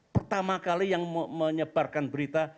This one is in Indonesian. pertama kali yang menyebarkan berita